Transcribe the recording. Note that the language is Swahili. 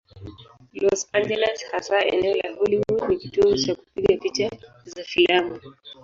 Los Angeles, hasa eneo la Hollywood, ni kitovu cha kupiga picha za filamu.